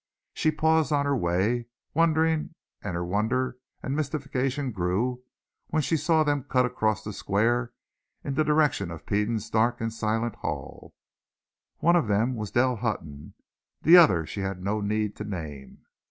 She paused on her way, wondering, and her wonder and mystification grew when she saw them cut across the square in the direction of Peden's dark and silent hall. One of them was Dell Hutton. The other she had no need to name.